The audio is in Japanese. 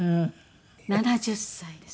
７０歳ですね。